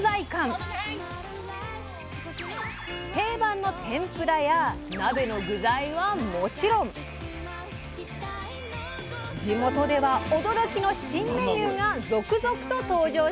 定番の天ぷらや鍋の具材はもちろん地元では驚きの新メニューが続々と登場しています。